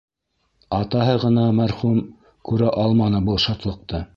Атаһы ғына, мәрхүм, күрә алманы был шатлыҡты!